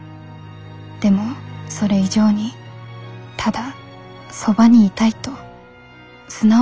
でもそれ以上にただそばにいたいと素直に思えたんです。